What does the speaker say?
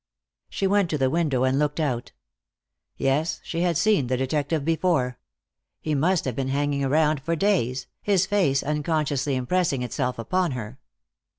She went to the window and looked out. Yes, she had seen the detective before. He must have been hanging around for days, his face unconsciously impressing itself upon her.